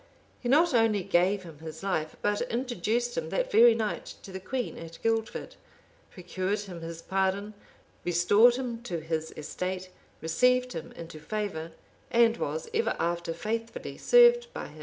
He not only gave him his life; but introduced him that very night to the queen at Guildford, procured him his pardon, restored him to his estate, received him into favor, and was ever after faithfully served by him.